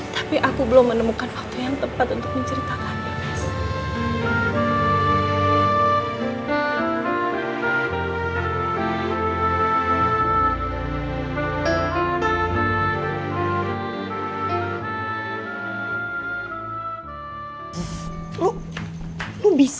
tapi aku belum menemukan waktu yang tepat untuk menceritakannya